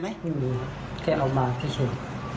ไม่รู้ครับแค่เอามาแค่ส่วน